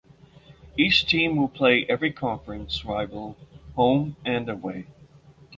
Each team will play every conference rival home and away.